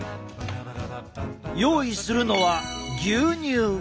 用意するのは牛乳！